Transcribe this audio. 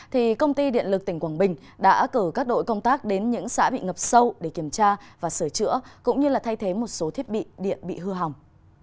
thì công ty điện lực tỉnh quảng bình đã cử các đội công tác đến những xã bị ngập sâu để kiểm tra và sửa chữa cũng như thay thế một số thiết bị điện bị hư hỏng